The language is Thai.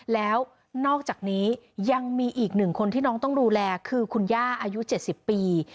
แล้วนอกจากนี้ยังมีอีกหนึ่งคนที่น้องต้องดูแลคือคุณย่าอายุ๗๐ปี